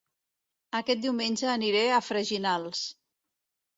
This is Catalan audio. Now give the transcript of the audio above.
Aquest diumenge aniré a Freginals